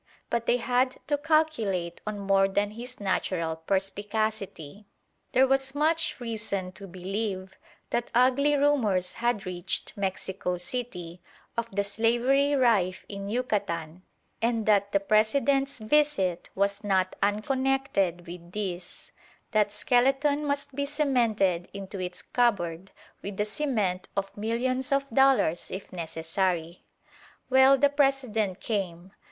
But they had to calculate on more than his natural perspicacity. There was much reason to believe that ugly rumours had reached Mexico City of the slavery rife in Yucatan, and that the President's visit was not unconnected with these. That skeleton must be cemented into its cupboard with the cement of millions of dollars if necessary. Well, the President came.